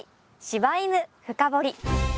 「柴犬深掘り！」。